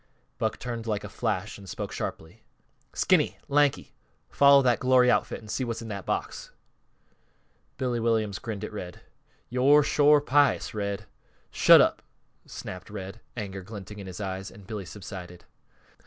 Buck turned like a flash and spoke sharply: "Skinny! Lanky! Follow that glory outfit, an' see what's in that box!" Billy Williams grinned at Red. "Yo're shore pious, Red." "Shut up!" snapped Red, anger glinting in his eyes, and Billy subsided.